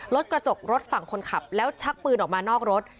รถกระจกรถฝั่งคนขับแล้วชักปืนออกมานอกรถ